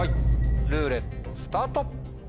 ルーレットスタート！